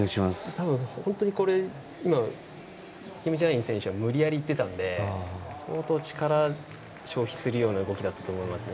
たぶん本当に今キム・ジャイン選手は無理やり、いってたんで相当、力を消費するような動きだったと思いますね。